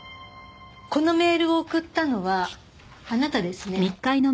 このメールを送ったのはあなたですね。